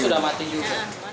oh sudah mati juga